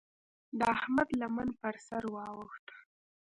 د احمد لمن پر سر واوښته.